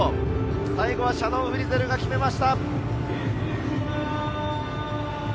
最後はシャノン・フリゼルが決めました。